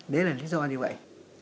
đấy là lý do như vậy